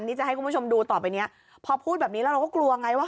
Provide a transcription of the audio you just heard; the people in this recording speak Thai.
ที่จะให้คุณผู้ชมดูต่อไปเนี้ยพอพูดแบบนี้แล้วเราก็กลัวไงว่า